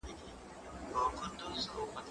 زه کتابونه نه ليکم!؟!؟